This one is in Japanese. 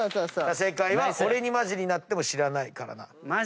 正解は「俺に本気になっても知らないからな」